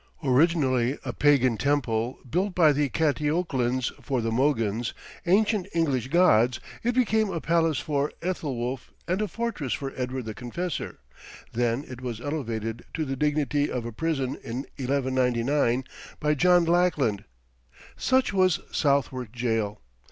Originally a pagan temple, built by the Catieuchlans for the Mogons, ancient English gods, it became a palace for Ethelwolf and a fortress for Edward the Confessor; then it was elevated to the dignity of a prison, in 1199, by John Lackland. Such was Southwark Jail.